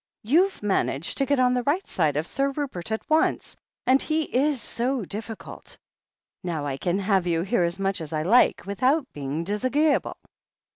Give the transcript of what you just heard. You've managed to get on the right side of Sir Rupert at once — ^and he is so difficult. Now I can have you here as much as I like, without his being disag'eeable."